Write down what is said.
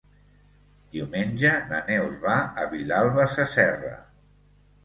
Diumenge na Neus va a Vilalba Sasserra.